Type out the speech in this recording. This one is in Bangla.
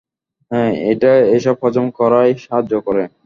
হ্যাঁ, এটা এসব হজম করায় সাহায্য করে।